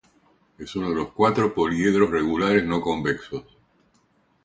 Es uno de los cuatro poliedros regulares no convexos.